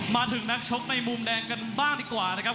มาถึงนักชกในมุมแดงกันบ้างดีกว่านะครับ